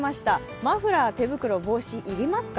マフラー、手袋、帽子、要りますか？